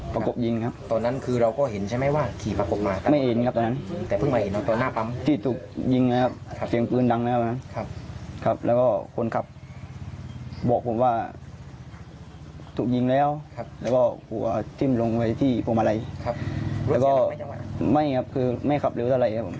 ไปที่พวงมาลัยแล้วก็ไม่ครับคือไม่ขับเร็วเท่าไร